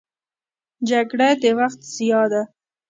جګړه د وخت ضیاع ده